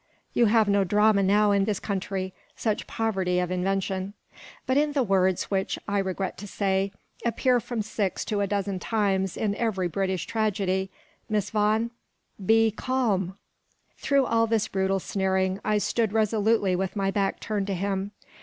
you have no drama now in this country, such poverty of invention but in the words, which I regret to say, appear from six to a dozen times in every British trugody, Miss Vaughan, 'Be calm.'" Through all this brutal sneering, I stood resolutely with my back turned to him.